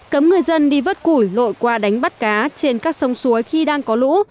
cấm người dân đi vớt củi lội qua đánh bắt cá trên các sông suối khi đang có lũ